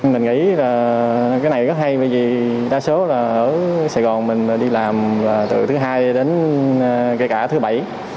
mình nghĩ cái này rất hay bởi vì đa số ở sài gòn mình đi làm từ thứ hai đến kể cả thứ bảy